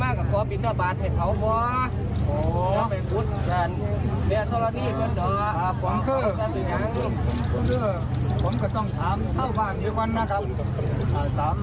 มาหัวขอแพ้ที่สุขไปเผาเข้าใจคุณบ่